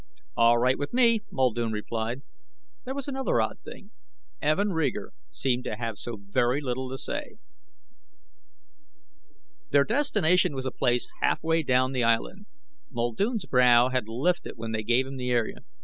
"All right with me," Muldoon replied. There was another odd thing. Evin Reeger seemed to have so very little to say. Their destination was a place halfway down the Island. Muldoon's brow had lifted when they gave him the area.